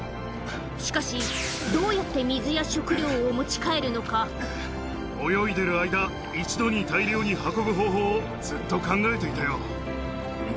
しかし、どうやって水や食料を持泳いでいる間、一度に大量に運ぶ方法をずっと考えていたよ。